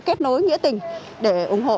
kết nối nghĩa tình để ủng hộ